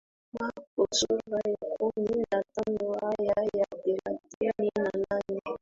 Marko sura ya kumi na tano aya ya thelathini na nne